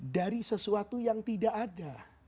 dari sesuatu yang tidak ada